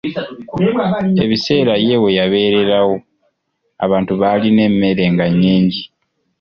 Ebiseera ye weyabeererawo abantu baalina emmere nga nnyingi.